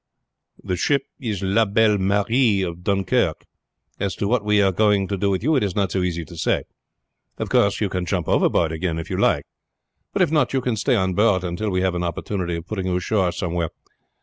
"The ship is La Belle Marie of Dunkirk; as to what we are going to do with you it is not so easy to say. Of course you can jump overboard again if you like, but if not you can stay on board until we have an opportunity of putting you ashore somewhere.